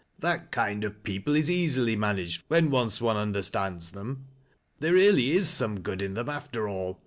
" That kind of people is easily managed, when once one understands them. There really is some good in them, after ail.